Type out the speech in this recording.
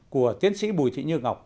của tiến sĩ bùi thị như ngọc